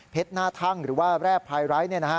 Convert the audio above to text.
เพชรหน้าท่ังหรือว่าแร่ไพรท์